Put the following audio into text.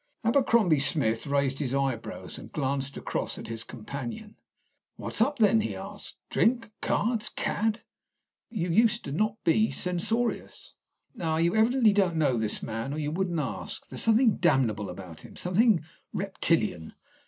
Abercrombie Smith raised his eyebrows and glanced across at his companion. "What's up, then?" he asked. "Drink? Cards? Cad? You used not to be censorious." "Ah! you evidently don't know the man, or you wouldn't ask. There's something damnable about him something reptilian.